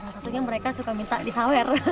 satunya mereka suka minta disawer